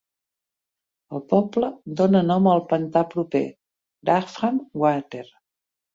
El poble dóna nom al pantà proper, Grafham Water.